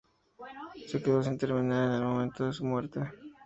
Se quedó sin terminar en el momento de su muerte.